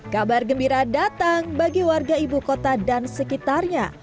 kabar gembira datang bagi warga ibu kota dan sekitarnya